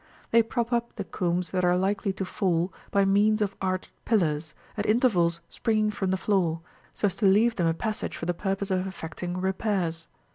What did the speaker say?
They prop up the combs that are likely to fall, by means of arched pillars, at intervals springing from the floor, so as to leave them a passage for the purpose of effecting repairs.